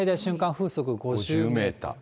風速５０メートル。